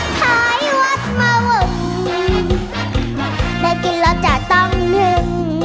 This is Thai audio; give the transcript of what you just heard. ท้ายวัดมาวได้กินแล้วจะต้องนึ่ง